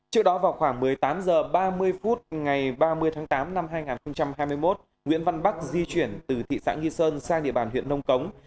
trước đó vào khoảng một mươi tám h ba mươi phút ngày ba mươi tháng tám năm hai nghìn hai mươi một nguyễn văn bắc di chuyển từ thị xã nghi sơn sang địa bàn huyện nông cống